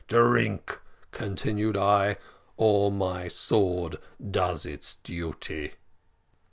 Drink,' continued I, `or my sword does its duty.'